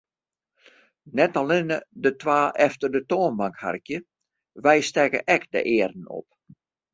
Net allinne de twa efter de toanbank harkje, wy stekke ek de earen op.